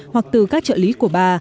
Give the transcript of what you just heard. hoặc từ các trợ lý của bà